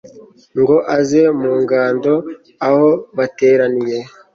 ngo aze mu ngando aho bateraniye